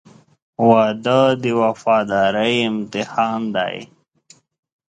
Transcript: • واده د وفادارۍ امتحان دی.